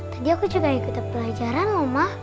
tadi aku juga ikut pelajaran mo ma